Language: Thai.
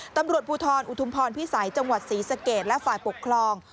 ตำรวจภูทรอุทุมพรพิสัยจังหวัดศรีสะเกดและฝ่ายปกครอง